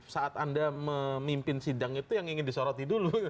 saat anda memimpin sidang itu yang ingin disoroti dulu